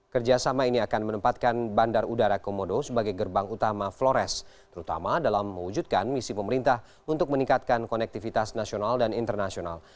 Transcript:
kerjasama ini akan menempatkan bandar udara komodo sebagai gerbang utama flores terutama dalam mewujudkan misi pemerintah untuk meningkatkan konektivitas nasional dan internasional